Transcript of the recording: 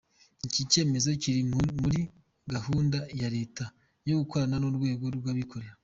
Iki cyemezo kiri muri gahunda ya Leta yo gukorana n’urwego rw’abikorera.